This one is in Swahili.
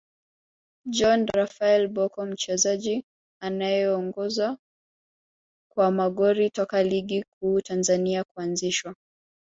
John Raphael Bocco Mchezaji anayeongoza kwa magori toka ligi kuu Tanzania kuanzishwa